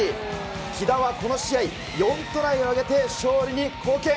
木田はこの試合、４トライを挙げて勝利に貢献。